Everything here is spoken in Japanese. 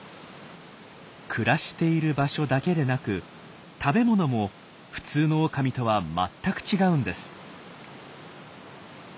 暮らしている場所だけでなく食べ物も普通のオオカミとは全く違うんです。